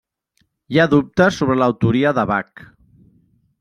Hi ha dubtes sobre l'autoria de Bach.